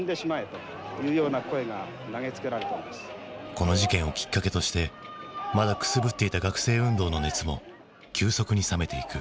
この事件をきっかけとしてまだくすぶっていた学生運動の熱も急速に冷めていく。